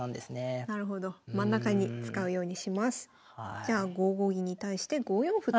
じゃあ５五銀に対して５四歩と。